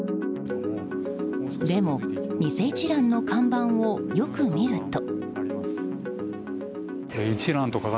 でも、偽一蘭の看板をよく見ると。